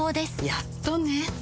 やっとね